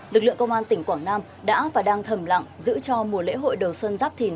lực lượng công an tỉnh quảng nam đã và đang thầm lặng giữ cho mùa lễ hội đầu xuân giáp thìn hai nghìn hai mươi bốn